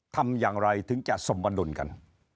ทำอย่างไรถึงจะสมบดุลกัน